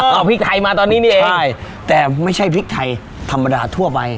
เอาพริกไทยมาตอนนี้นี่เองใช่แต่ไม่ใช่พริกไทยธรรมดาทั่วไป